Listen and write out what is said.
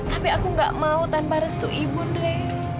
tapi aku gak mau tanpa restu ibu deh